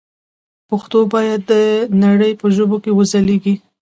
پښتو باید د نړۍ په ژبو کې وځلېږي.